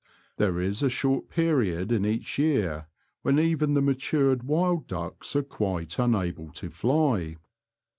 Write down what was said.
There is a short period in each year when even the matured wild ducks are quite unable to fly.